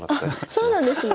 そうなんですね。